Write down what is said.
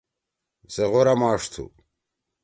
سے غورا ماݜ تُھو۔